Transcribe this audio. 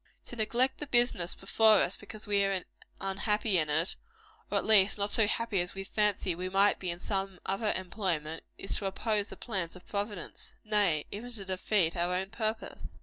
To neglect the business before us because we are unhappy in it, or at least not so happy as we fancy we might be in some other employment, is to oppose the plans of Providence; nay, even to defeat our own purpose.